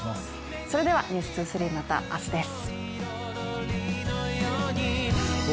それでは「ｎｅｗｓ２３」、また明日です。